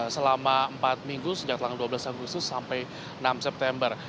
selama empat minggu sejak tanggal dua belas agustus sampai enam september